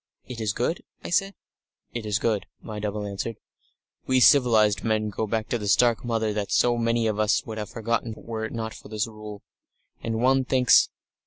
"It is good?" I said. "It is good," my double answered. "We civilised men go back to the stark Mother that so many of us would have forgotten were it not for this Rule. And one thinks....